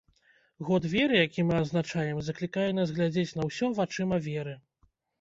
Год веры, які мы адзначаем, заклікае нас глядзець на ўсё вачыма веры.